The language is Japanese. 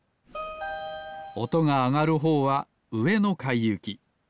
おとがあがるほうはうえのかいゆき。